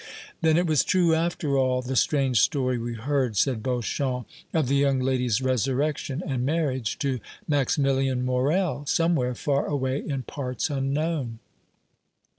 "Then it was true, after all, the strange story we heard," said Beauchamp, "of the young lady's resurrection and marriage to Maximilian Morrel, somewhere far away in parts unknown?"